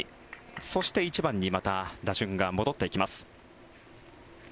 そして、１番にまた打順が戻っていきます。